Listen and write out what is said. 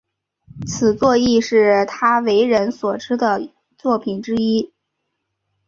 此作亦是他为人所知的作品之一。